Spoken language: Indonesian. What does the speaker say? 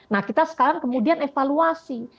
nah kita sekarang kemudian evaluasi